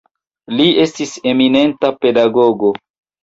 Li estis eminenta pedagogo.